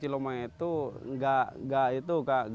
kita memer gaming media native ini